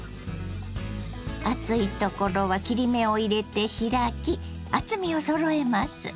厚いところは切り目を入れて開き厚みをそろえます。